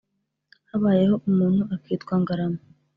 Habayeho umuntu akitwa Ngarama,